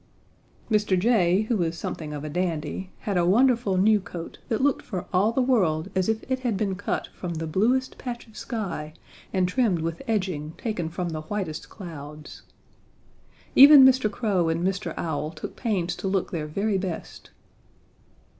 "Mr. Jay, who was something of a dandy, had a wonderful new coat that looked for all the world as it if had been cut from the bluest patch of sky and trimmed with edging taken from the whitest clouds. Even Mr. Crow and Mr. Owl took pains to look their very best.